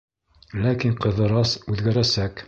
Ләкин Ҡыҙырас үҙгәрәсәк.